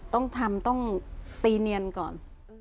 ต้องทำต้องตีเนียนก่อน